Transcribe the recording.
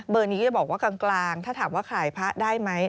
นี้ก็จะบอกว่ากลางถ้าถามว่าขายพระได้ไหม